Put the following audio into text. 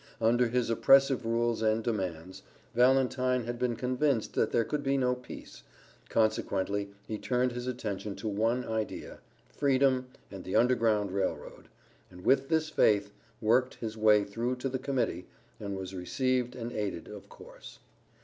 Under his oppressive rules and demands, Valentine had been convinced that there could be no peace, consequently he turned his attention to one idea freedom and the Underground Rail Road, and with this faith, worked his way through to the Committee, and was received, and aided of course.